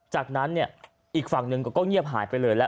จากนั้นเนี่ยอีกฝั่งหนึ่งก็เงียบหายไปเลยแล้ว